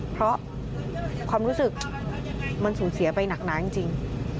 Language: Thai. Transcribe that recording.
เพราะความรู้สึกมันสูญเสียไปหนักหนาจริง